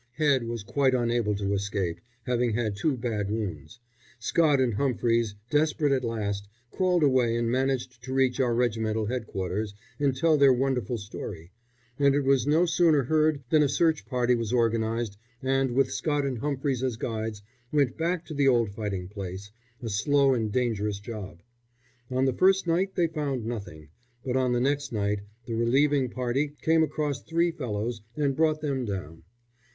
Head was quite unable to escape, having had two bad wounds. Scott and Humphries, desperate at last, crawled away and managed to reach our regimental headquarters and tell their wonderful story, and it was no sooner heard than a search party was organised, and, with Scott and Humphries as guides, went back to the old fighting place a slow and dangerous job. On the first night they found nothing, but on the next night the relieving party came across three fellows and brought them down.